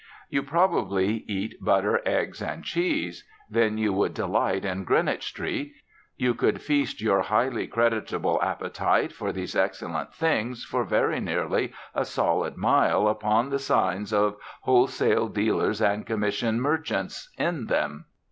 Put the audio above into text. You probably eat butter, and eggs, and cheese. Then you would delight in Greenwich Street. You could feast your highly creditable appetite for these excellent things for very nearly a solid mile upon the signs of "wholesale dealers and commission merchants" in them.